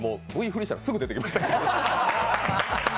Ｖフリしたら、すぐ出てきましたが。